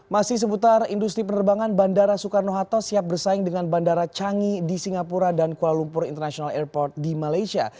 masih seputar industri penerbangan bandara soekarno hatta siap bersaing dengan bandara changi di singapura dan kuala lumpur international airport di malaysia